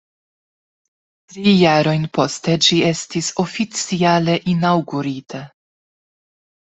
Tri jarojn poste ĝi estis oficiale inaŭgurita.